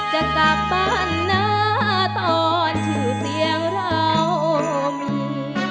จะกลับบ้านนะตอนชื่อเสียงเรามี